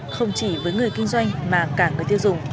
không chỉ với người kinh doanh mà cả người tiêu dùng